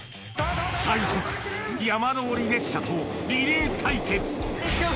最速山登り列車とリレー対決